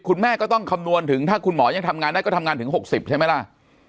คุณแม่ก็ต้องคำนวณถึงถ้าคุณหมอยังทำงานได้ก็ทำงานถึง๖๐ใช่ไหมล่ะ